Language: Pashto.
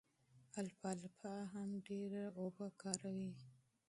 الفالفا هم ډېره اوبه کاروي.